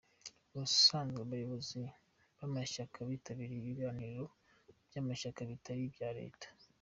Ubusanzwe abayobozi b’amashyaka bitabira ibiganiro by’amashyaka bitari ibya leta.